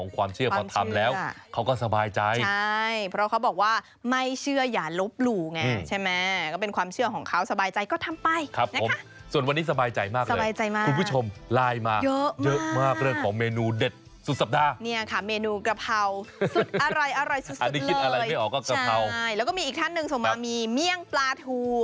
เขาก็สบายใจใช่เพราะเขาบอกว่าไม่เชื่ออย่าลบหลู่ไงใช่ไหมก็เป็นความเชื่อของเขาสบายใจก็ทำไปครับผมส่วนวันนี้สบายใจมากเลยสบายใจมากคุณผู้ชมไลน์มาเยอะมากเรื่องของเมนูเด็ดสุดสัปดาห์เนี่ยค่ะเมนูกระเพราสุดอะไรอร่อยสุดสุดเลยอันนี้คิดอะไรไม่ออกก็กระเพราใช่แล้วก็มีอีกท่านหนึ่งสมมติมีเมี่ยงปลาทูอ